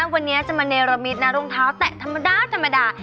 วันนี้จะมาเนรมิตนะรองเท้าแตะธรรมดาธรรมดา